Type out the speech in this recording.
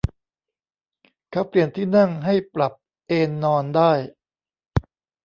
เขาเปลี่ยนที่นั่งให้ปรับเอนนอนได้